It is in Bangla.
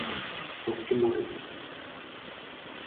অক্টি মরে গেছে।